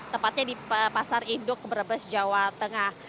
tepatnya di pasar induk brebes jawa tengah